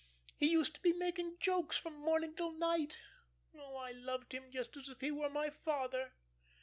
He used to be making jokes from morning till night. Oh, I loved him just as if he were my father."